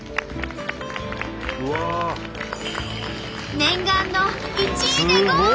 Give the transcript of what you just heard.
念願の１位でゴール！